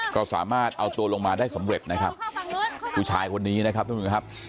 ก็สามารถเอาตัวลงมาได้สำเร็จนะครับผู้ชายคนนี้นะครับทุกผู้ชมครับ